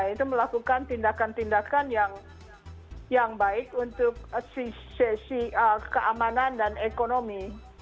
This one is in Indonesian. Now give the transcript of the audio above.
itu melakukan tindakan tindakan yang baik untuk sesi keamanan dan ekonomi